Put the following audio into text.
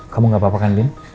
kamu gak apa apa kan dim